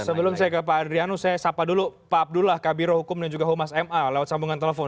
sebelum saya ke pak adrianu saya sapa dulu pak abdullah kabiro hukum dan juga humas ma lewat sambungan telepon